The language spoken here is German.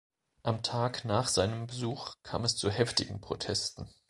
Am Tag nach seinem Besuch kam es zu heftigen Protesten.